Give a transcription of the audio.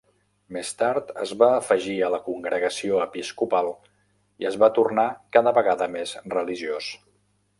Més tard, es va afegir a la congregació episcopal i es va tornar cada vegada més religiós.